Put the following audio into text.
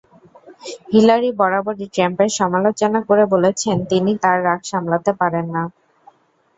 Hillary বরাবরই ট্রাম্পের সমালোচনা করে বলেছেন, তিনি তাঁর রাগ সামলাতে পারেন না।